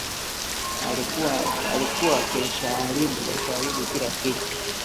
Alikuwa keshaharibu kila kitu